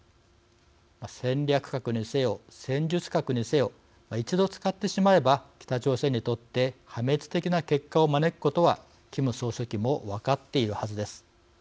戦略核にせよ、戦術核にせよ一度使ってしまえば北朝鮮にとって破滅的な結果を招くことはキム総書記も分かっているはずです。